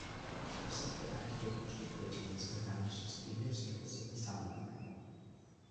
Receptor-activated G proteins are bound to the inner surface of the cell membrane.